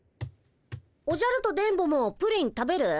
おじゃると電ボもプリン食べる？